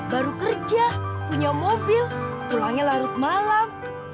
baru kerja punya mobil pulangnya larut malam